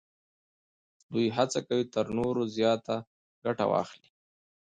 دوی هڅه کوي تر نورو زیاته ګټه واخلي